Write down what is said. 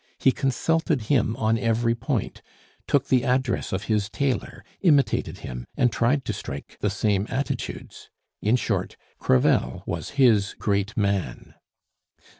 He consulted him on every point, took the address of his tailor, imitated him, and tried to strike the same attitudes. In short, Crevel was his Great Man.